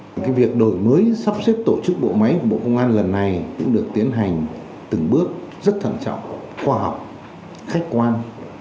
và cái việc đổi mới sắp xếp tổ chức bộ máy của bộ công an lần này cũng được tiến hành từng bước rất thận trọng khoa học khách quan